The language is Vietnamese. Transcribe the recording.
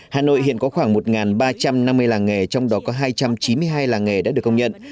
hà nội hiện có khoảng một ba trăm năm mươi làng nghề trong đó có hai trăm chín mươi hai làng nghề đã được công nhận